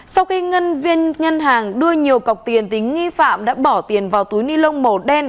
sau khi ngân viên ngân hàng đưa nhiều cọc tiền tính nghi phạm đã bỏ tiền vào túi ni lông màu đen